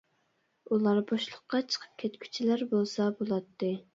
ئۇلار بوشلۇققا چىقىپ كەتكۈچىلەر بولسا بولاتتى.